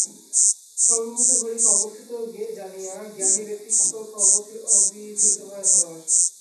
সর্বভূতে হরিকে অবস্থিত জানিয়া জ্ঞানী ব্যক্তি সকলকে অবিচলিতভাবে ভালবাসেন।